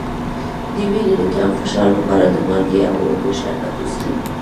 د وینې د کم فشار لپاره د مالګې او اوبو شربت وڅښئ